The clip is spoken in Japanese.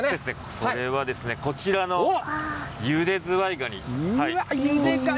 それはですね、こちらのゆでズワイガニ。